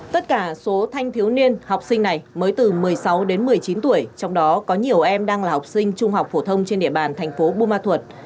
tất cả số thanh thiếu niên học sinh này mới từ một mươi sáu đến một mươi chín tuổi trong đó có nhiều em đang là học sinh trung học phổ thông trên địa bàn thành phố bù ma thuật